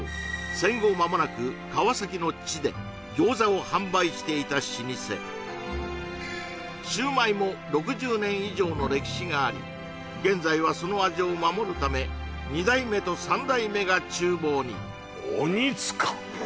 戦後間もなく川崎の地で餃子を販売していた老舗があり現在はその味を守るため２代目と３代目が厨房に鬼塚！